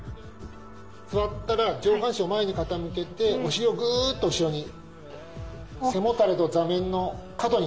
座ったら上半身を前に傾けてお尻をぐーっと後ろに。